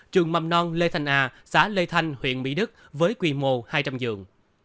trường mầm non lê thanh a xã lê thanh huyện mỹ đức với quy mô hai trăm linh giường